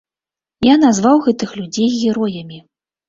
Я назваў гэтых людзей героямі.